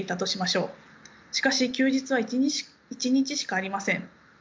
しかし休日は１日しかありません。